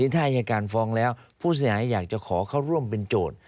ถ้าอายการฟ้องแล้วผู้เสียหายอยากจะขอเขาร่วมเป็นโจทย์